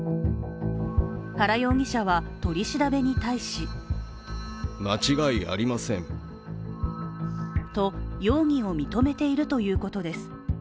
原容疑者は取り調べに対しと容疑を認めているということです。